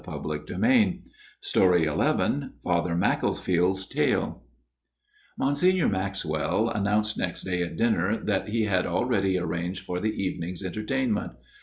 XI Father Macclesfield's Tale XI Father Macclesfield's Tale MONSIGNOR MAXWELL announced next day at dinner that he had already arranged for the evening's entertain ment.